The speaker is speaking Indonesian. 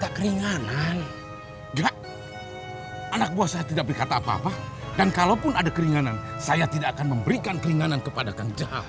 terima kasih anak buah saya tidak berkata apa apa dan kalaupun ada keringanan saya tidak akan memberikan keringanan kepada kang jahat